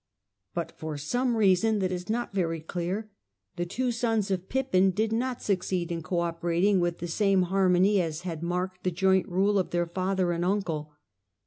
But for some reason that is not very clear, the two sons of Pippin did not succeed in co operating with the same harmony as had marked the joint rule of their father and uncle.